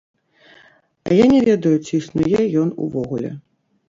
А я не ведаю, ці існуе ён увогуле.